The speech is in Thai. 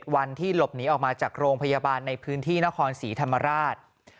วันที่หลบหนีออกมาจากโรงพยาบาลในพื้นที่นครศรีธรรมราช